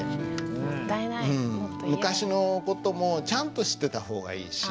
昔の事もちゃんと知ってた方がいいし